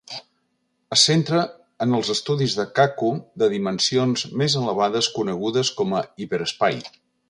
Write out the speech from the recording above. Es centra en els estudis de Kaku de dimensions més elevades conegudes com a hiperespai.